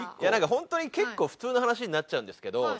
本当に結構普通の話になっちゃんですけど。